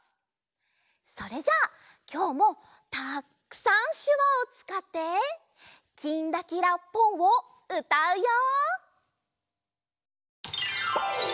それじゃきょうもたくさんしゅわをつかって「きんらきらぽん」をうたうよ！